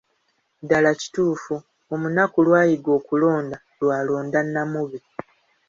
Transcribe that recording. Ddala kituufu, omunaku lw'ayiga okulonda, lw'alonda nnamube.